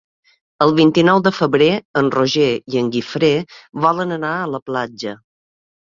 El vint-i-nou de febrer en Roger i en Guifré volen anar a la platja.